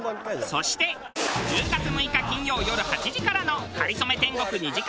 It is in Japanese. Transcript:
そして１０月６日金曜よる８時からの『かりそめ天国』２時間